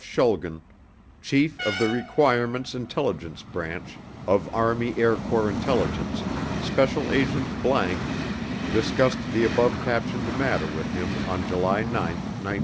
Schulgen, Chief of the Requirements Intelligence Branch of Army Air Corps Intelligence, Special Agent ____ discussed the above captioned matter with him on July 9, 1947.